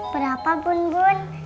berapa bun bun